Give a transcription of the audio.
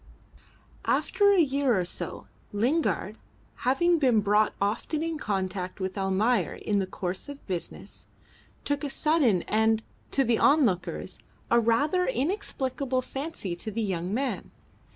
After a year or so Lingard, having been brought often in contact with Almayer in the course of business, took a sudden and, to the onlookers, a rather inexplicable fancy to the young man.